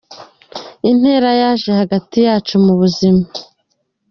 Intera yaje hagati yacu mu buzima.